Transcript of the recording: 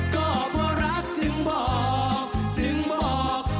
ก็เพราะรักจึงบอกจึงบอก